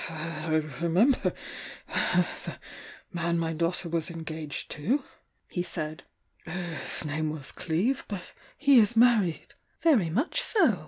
"I remember the man my daughter was engaged to," he said. "His name was Cleeve. But he b married " "Very much so!"